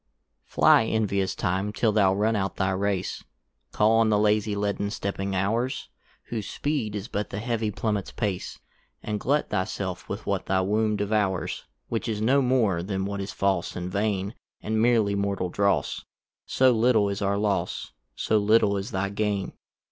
FLY envious Time, till thou run out thy race, Call on the lazy leaden stepping hours, Whose speed is but the heavy Plummets pace; And glut thy self with what thy womb devours, Which is no more then what is false and vain, And meerly mortal dross; So little is our loss, So little is thy gain.